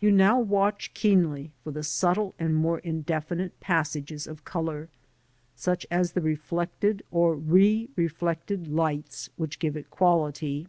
You now watch keenly for the subtle and more indefinite passages of colour, such as the reflected or re reflected lights which give it quality.